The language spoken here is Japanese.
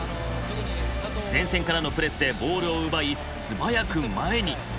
前線からのプレスでボールを奪い素早く前に。